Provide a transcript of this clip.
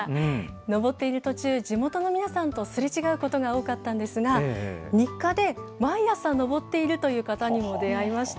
登っている途中、地元の皆さんとすれ違うことが多かったんですが、日課で毎朝登っているという方にも出会いました。